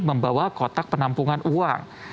membawa kotak penampungan uang